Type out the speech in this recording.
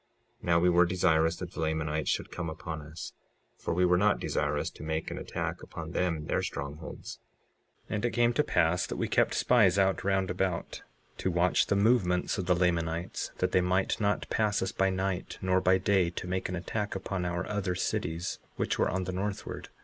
56:21 Now we were desirous that the Lamanites should come upon us; for we were not desirous to make an attack upon them in their strongholds. 56:22 And it came to pass that we kept spies out round about, to watch the movements of the Lamanites, that they might not pass us by night nor by day to make an attack upon our other cities which were on the northward.